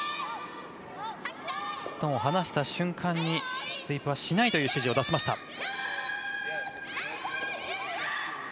ストーンを放した瞬間にスイープはしないという指示を出しました。